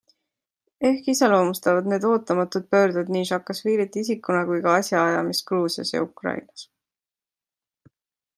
Ehk iseloomustavad need ootamatud pöörded nii Saakašvilit isikuna kui ka asjaajamist Gruusias ja Ukrainas.